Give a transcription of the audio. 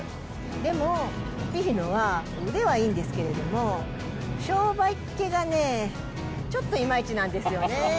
でも、ピーノは腕はいいんですけれども、商売っ気がね、ちょっといまいちなんですよね。